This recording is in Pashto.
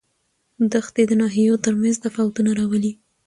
دښتې د ناحیو ترمنځ تفاوتونه راولي.